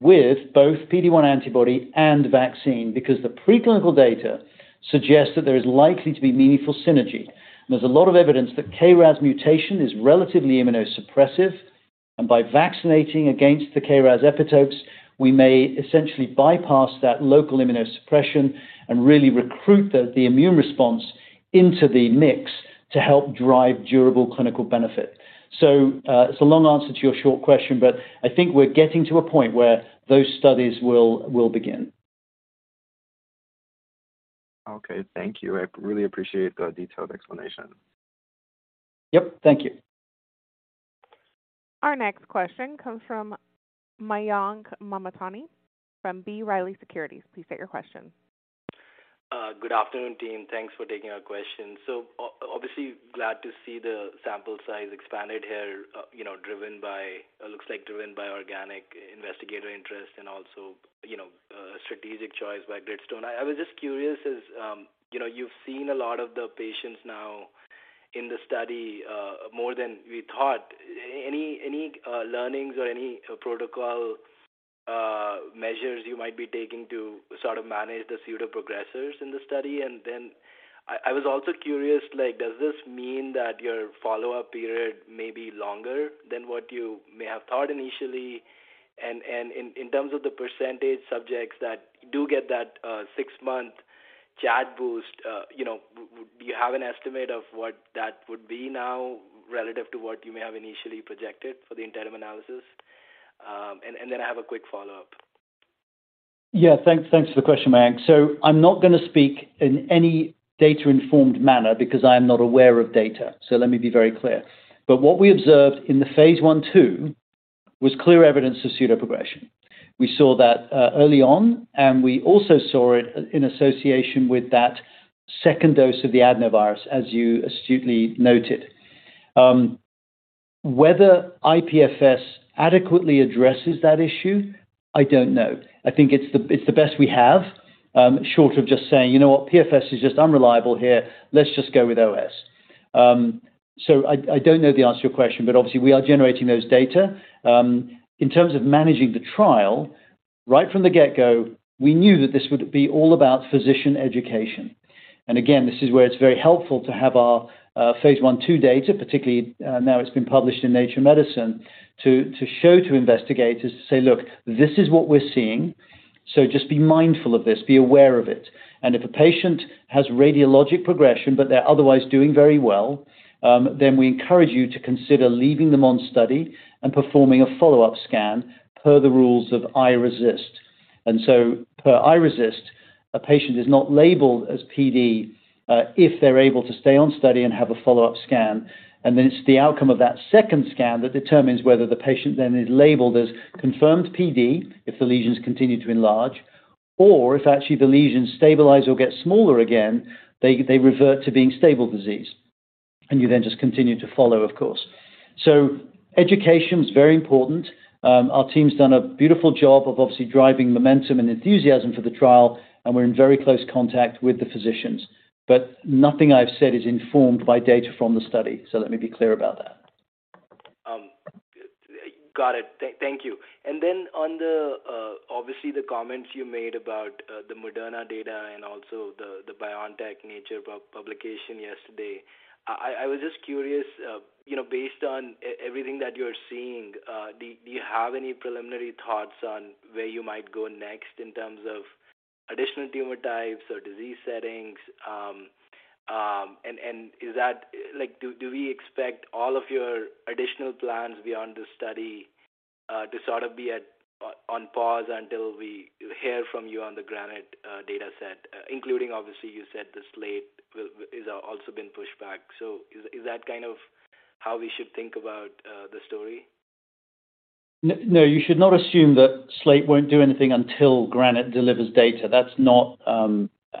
with both PD-1 antibody and vaccine because the preclinical data suggests that there is likely to be meaningful synergy. There's a lot of evidence that KRAS mutation is relatively immunosuppressive, and by vaccinating against the KRAS epitopes, we may essentially bypass that local immunosuppression and really recruit the immune response into the mix to help drive durable clinical benefit. It's a long answer to your short question, but I think we're getting to a point where those studies will begin. Okay. Thank you. I really appreciate the detailed explanation. Yep. Thank you. Our next question comes from Mayank Mamtani from B. Riley Securities. Please state your question. Good afternoon, team. Thanks for taking our question. obviously glad to see the sample size expanded here, you know, It looks like driven by organic investigator interest and also, you know, strategic choice by Gritstone. I was just curious as, you know, you've seen a lot of the patients now in the study, more than we thought. Any learnings or any protocol measures you might be taking to sort of manage the pseudo progressors in the study? I was also curious, like, does this mean that your follow-up period may be longer than what you may have thought initially? In terms of the percentage subjects that do get that, six-month ctDNA boost, you know, do you have an estimate of what that would be now relative to what you may have initially projected for the interim analysis? I have a quick follow-up. Yeah. Thanks for the question, Mayank. I'm not gonna speak in any data-informed manner because I am not aware of data. Let me be very clear. What we observed in the phase I/II was clear evidence of pseudoprogression. We saw that early on, and we also saw it in association with that 2nd dose of the adenovirus, as you astutely noted. Whether iPFS adequately addresses that issue, I don't know. I think it's the best we have, short of just saying, "You know what? PFS is just unreliable here." Let's just go with OS. I don't know the answer to your question, but obviously we are generating those data. In terms of managing the trial, right from the get-go, we knew that this would be all about physician education. This is where it's very helpful to have our phase I/II data, particularly, now it's been published in Nature Medicine, to show to investigators to say, "Look, this is what we're seeing. Just be mindful of this, be aware of it. If a patient has radiologic progression, but they're otherwise doing very well, then we encourage you to consider leaving them on study and performing a follow-up scan per the rules of iRECIST. Per iRECIST, a patient is not labeled as PD if they're able to stay on study and have a follow-up scan, and then it's the outcome of that second scan that determines whether the patient then is labeled as confirmed PD if the lesions continue to enlarge, or if actually the lesions stabilize or get smaller again, they revert to being stable disease, and you then just continue to follow, of course. Education is very important. Our team's done a beautiful job of obviously driving momentum and enthusiasm for the trial, and we're in very close contact with the physicians. Nothing I've said is informed by data from the study, so let me be clear about that. Got it. Thank you. On the obviously the comments you made about the Moderna data and also the BioNTech Nature publication yesterday, I was just curious, you know, based on everything that you're seeing, do you have any preliminary thoughts on where you might go next in terms of additional tumor types or disease settings? Is that... Like, do we expect all of your additional plans beyond this study to sort of be on pause until we hear from you on the GRANITE dataset, including obviously you said the SLATE is also been pushed back. Is that kind of how we should think about the story? No, you should not assume that SLATE won't do anything until GRANITE delivers data. That's not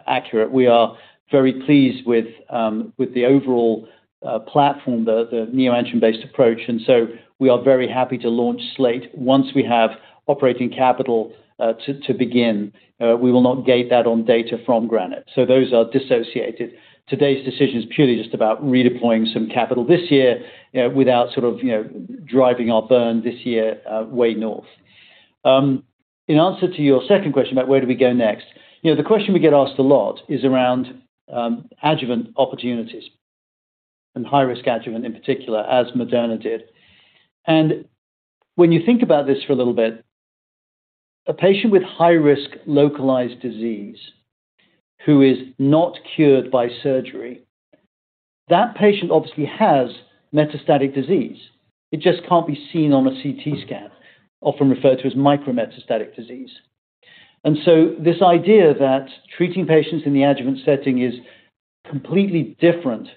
accurate. We are very pleased with the overall platform, the neoantigen-based approach, and so we are very happy to launch SLATE once we have operating capital to begin. We will not gate that on data from GRANITE. Those are dissociated. Today's decision is purely just about redeploying some capital this year, without sort of, you know, driving our burn this year, way north. In answer to your second question about where do we go next, you know, the question we get asked a lot is around adjuvant opportunities and high-risk adjuvant in particular, as Moderna did. When you think about this for a little bit, a patient with high-risk localized disease who is not cured by surgery, that patient obviously has metastatic disease. It just can't be seen on a CT scan, often referred to as micrometastatic disease. This idea that treating patients in the adjuvant setting is completely different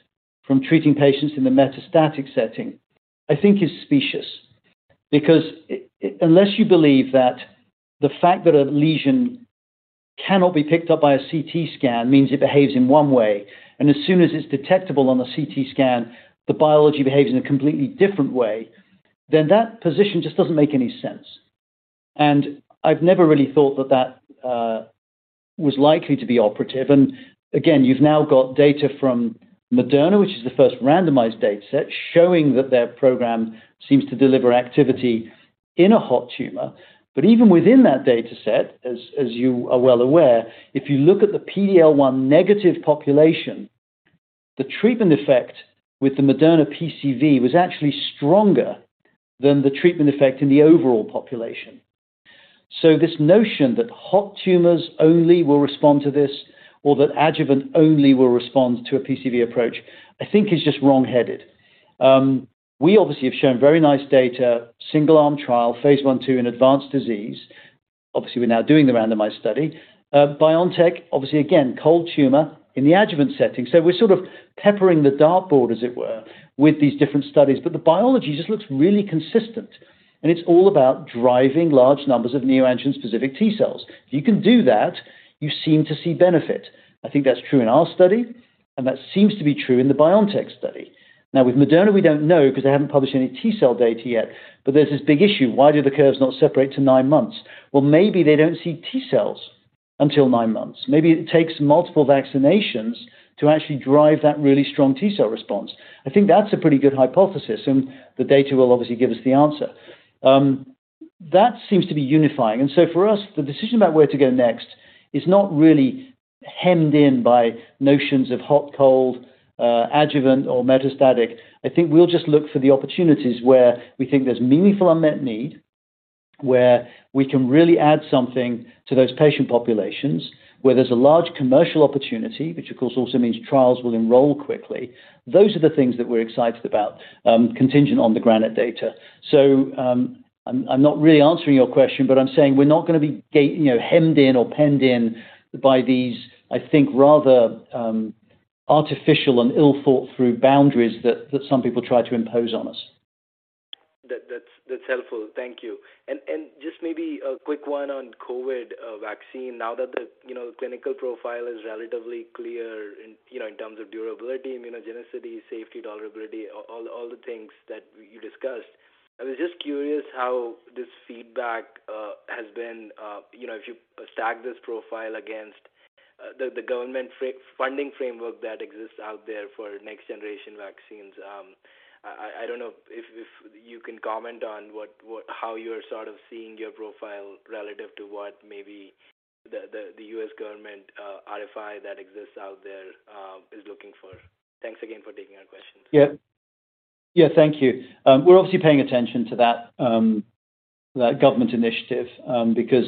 from treating patients in the metastatic setting, I think is specious. Because unless you believe that the fact that a lesion cannot be picked up by a CT scan means it behaves in one way, and as soon as it's detectable on a CT scan, the biology behaves in a completely different way, then that position just doesn't make any sense. I've never really thought that that was likely to be operative. Again, you've now got data from Moderna, which is the first randomized dataset showing that their program seems to deliver activity in a hot tumor. But even within that dataset, as you are well aware, if you look at the PD-L1 negative population, the treatment effect with the Moderna PCV was actually stronger than the treatment effect in the overall population. This notion that hot tumors only will respond to this or that adjuvant only will respond to a PCV approach, I think is just wrong-headed. We obviously have shown very nice data, single-arm trial, phase I/II in advanced disease. Obviously, we're now doing the randomized study. BioNTech, obviously again, cold tumor in the adjuvant setting. We're sort of peppering the dartboard, as it were, with these different studies. The biology just looks really consistent, and it's all about driving large numbers of neoantigen-specific T cells. If you can do that, you seem to see benefit. I think that's true in our study, and that seems to be true in the BioNTech study. Now, with Moderna, we don't know because they haven't published any T cell data yet. There's this big issue. Why do the curves not separate to nine months? Well, maybe they don't see T cells until nine months. Maybe it takes multiple vaccinations to actually drive that really strong T cell response. I think that's a pretty good hypothesis, and the data will obviously give us the answer. That seems to be unifying. For us, the decision about where to go next is not really hemmed in by notions of hot, cold, adjuvant or metastatic. I think we'll just look for the opportunities where we think there's meaningful unmet need, where we can really add something to those patient populations, where there's a large commercial opportunity, which of course also means trials will enroll quickly. Those are the things that we're excited about, contingent on the GRANITE data. I'm not really answering your question, but I'm saying we're not gonna be you know, hemmed in or penned in by these, I think, rather, artificial and ill-thought-through boundaries that some people try to impose on us. That's helpful. Thank you. Just maybe a quick one on COVID vaccine. Now that the, you know, clinical profile is relatively clear in, you know, in terms of durability, immunogenicity, safety, tolerability, all the things that you discussed, I was just curious how this feedback has been, you know, if you stack this profile against the government funding framework that exists out there for next-generation vaccines. I don't know if you can comment on how you're sort of seeing your profile relative to what maybe the U.S. government RFI that exists out there is looking for. Thanks again for taking our questions. Yeah. Yeah, thank you. We're obviously paying attention to that government initiative, because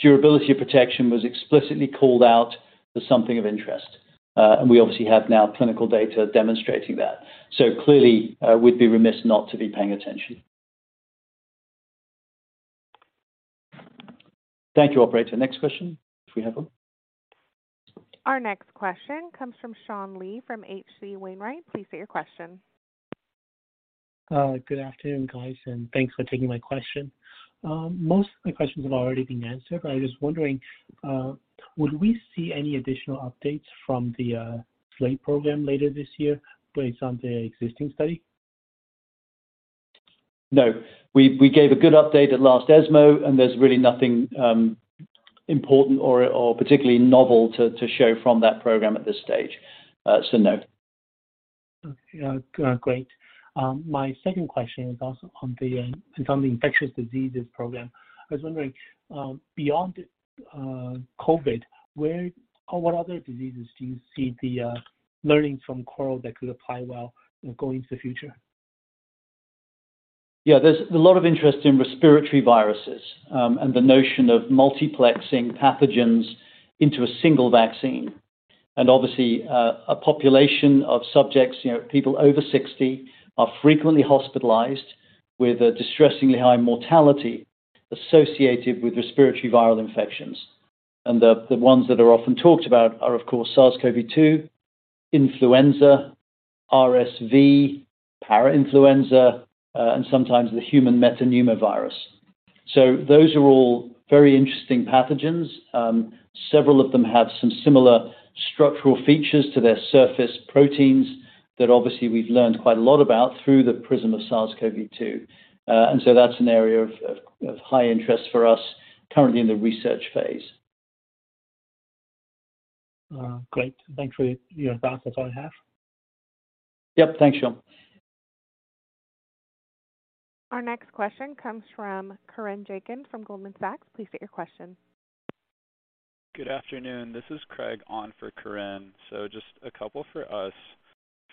durability of protection was explicitly called out as something of interest. We obviously have now clinical data demonstrating that. Clearly, we'd be remiss not to be paying attention. Thank you, operator. Next question, if we have one. Our next question comes from Sean Lee from H.C. Wainwright. Please state your question. Good afternoon, guys, thanks for taking my question. Most of my questions have already been answered. I was wondering, would we see any additional updates from the SLATE program later this year based on the existing study? No. We gave a good update at last ESMO. There's really nothing important or particularly novel to show from that program at this stage. No. Okay. Great. My second question is also on the infectious diseases program. I was wondering, beyond COVID, where or what other diseases do you see the learnings from CORAL that could apply well going into the future? Yeah, there's a lot of interest in respiratory viruses, the notion of multiplexing pathogens into a single vaccine. Obviously, a population of subjects, you know, people over 60 are frequently hospitalized with a distressingly high mortality associated with respiratory viral infections. The ones that are often talked about are, of course, SARS-CoV-2, influenza, RSV, parainfluenza, and sometimes the human metapneumovirus. Those are all very interesting pathogens. Several of them have some similar structural features to their surface proteins that obviously we've learned quite a lot about through the prism of SARS-CoV-2. That's an area of high interest for us currently in the research phase. Great. Thanks for your thoughts. That's all I have. Yep. Thanks, Sean. Our next question comes from Corinne Jenkins from Goldman Sachs. Please state your question. Good afternoon. This is Craig on for Corinne. Just a couple for us.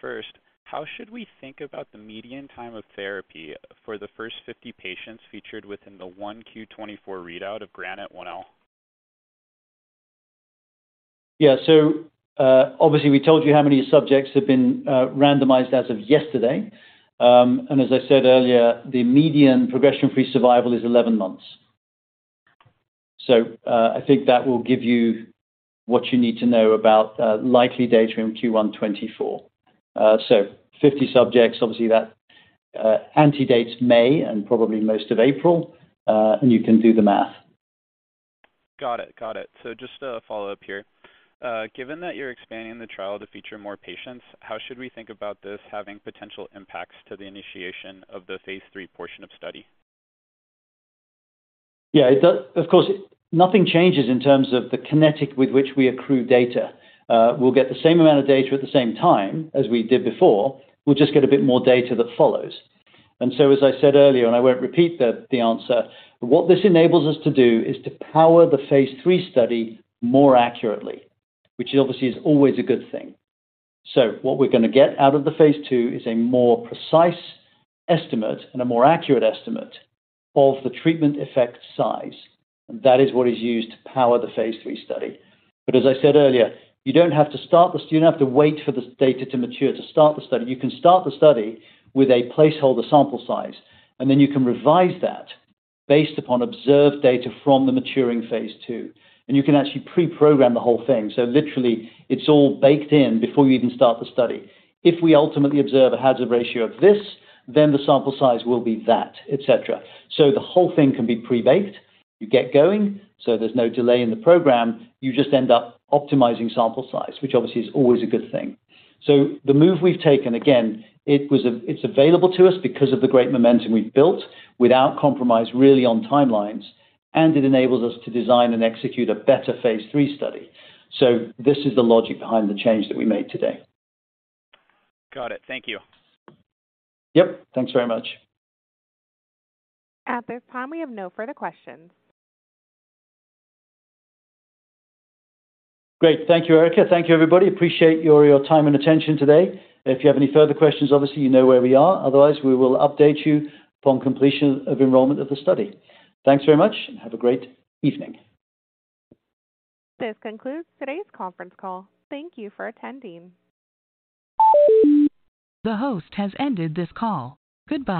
First, how should we think about the median time of therapy for the first 50 patients featured within the 1Q 2024 readout of GRANITE-CRC-1L? Yeah. Obviously, we told you how many subjects have been randomized as of yesterday. As I said earlier, the median progression-free survival is 11 months. I think that will give you what you need to know about likely data in Q1 2024. 50 subjects, obviously that antedates May and probably most of April, and you can do the math. Got it. Got it. Just a follow-up here. Given that you're expanding the trial to feature more patients, how should we think about this having potential impacts to the initiation of the phase III portion of study? Yeah. Of course, nothing changes in terms of the kinetic with which we accrue data. We'll get the same amount of data at the same time as we did before. We'll just get a bit more data that follows. As I said earlier, and I won't repeat the answer, what this enables us to do is to power the phase III study more accurately, which obviously is always a good thing. What we're gonna get out of the phase II is a more precise estimate and a more accurate estimate of the treatment effect size. That is what is used to power the phase III study. As I said earlier, you don't have to start this. You don't have to wait for this data to mature to start the study. You can start the study with a placeholder sample size, and then you can revise that based upon observed data from the phase II. you can actually pre-program the whole thing. Literally, it's all baked in before you even start the study. If we ultimately observe a hazard ratio of this, then the sample size will be that, et cetera. The whole thing can be pre-baked. You get going, so there's no delay in the program. You just end up optimizing sample size, which obviously is always a good thing. The move we've taken, again, it's available to us because of the great momentum we've built without compromise really on timelines, and it enables us to design and execute a better phase III study. This is the logic behind the change that we made today. Got it. Thank you. Yep. Thanks very much. At this time, we have no further questions. Great. Thank you, Erica. Thank you, everybody. Appreciate your time and attention today. If you have any further questions, obviously you know where we are. Otherwise, we will update you upon completion of enrollment of the study. Thanks very much and have a great evening. This concludes today's conference call. Thank you for attending. The host has ended this call. Goodbye